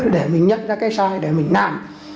để mình nhận ra cái sai để mình nàn